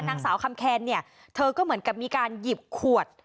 นางสาวคำแคนเนี่ยเธอก็เหมือนกับมีการหยิบขวด